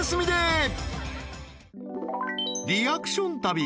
［リアクション旅。